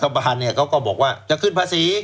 บาลเนี่ยเขาก็บอกว่าจะขึ้นภาษี